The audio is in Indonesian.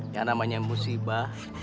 yang namanya musibah